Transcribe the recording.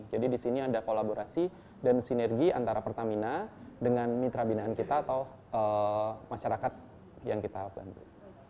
jadi di sini ada kolaborasi dan sinergi antara pertamina dengan mitra binaan kita atau masyarakat yang kita bantu